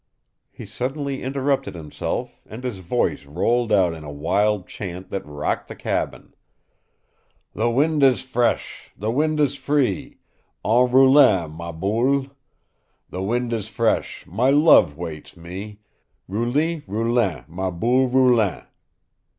He suddenly interrupted himself, and his voice rolled out in a wild chant that rocked the cabin. "The wind is fresh, the wind is free, En roulant ma boule! The wind is fresh my love waits me, Rouli, roulant, ma boule roulant!